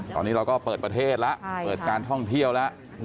ตอนนี้เราก็เปิดประเทศแล้วเปิดการท่องเที่ยวแล้ว